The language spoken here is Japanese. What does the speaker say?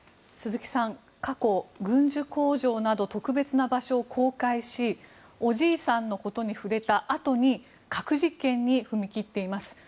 鈴木さん、過去軍需工場など特別な場所を公開しおじいさんのことに触れたあとに核実験に踏み切っています。